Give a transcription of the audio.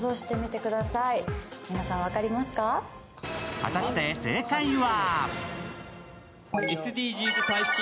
果たして正解は？